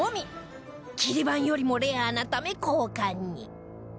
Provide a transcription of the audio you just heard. キリ番よりもレアなため高価に